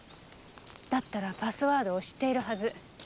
だったらパスワードを知っているはず。